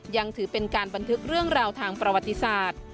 ยังถือเป็นการบันทึกเรื่องราวทางประวัติศาสตร์